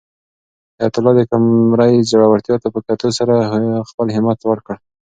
حیات الله د قمرۍ زړورتیا ته په کتو سره خپل همت لوړ کړ.